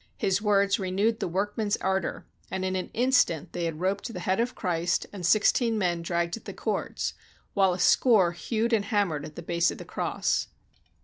His words renewed the workmen's ardor, and in an instant they had roped the head of Christ, and sixteen men dragged at the cords, while a score hewed and ham mered at the base of the cross.